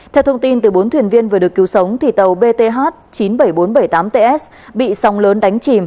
theo thông tin từ bốn thuyền viên vừa được cứu sống tàu bth chín mươi bảy nghìn bốn trăm bảy mươi tám ts bị sóng lớn đánh chìm